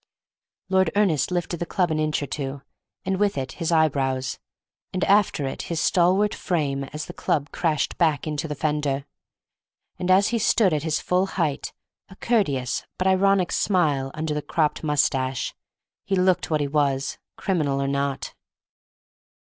Lord Ernest lifted the club an inch or two, and with it his eyebrows—and after it his stalwart frame as the club crashed back into the fender. And as he stood at his full height, a courteous but ironic smile under the cropped moustache, he looked what he was, criminal or not.